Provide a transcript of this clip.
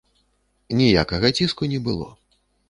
Ніякага ціску не было.